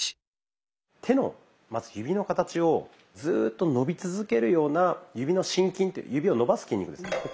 手の指の形をずっと伸び続けるような指の伸筋指を伸ばす筋肉ですね。